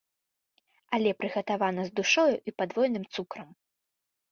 Але прыгатавана з душою і падвойным цукрам.